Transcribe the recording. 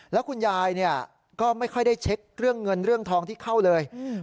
แล้วคุณยายเนี่ยก็ไม่ค่อยได้เช็คเรื่องเงินเรื่องทองที่เข้าเลย